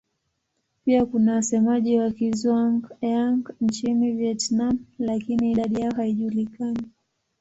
Pia kuna wasemaji wa Kizhuang-Yang nchini Vietnam lakini idadi yao haijulikani.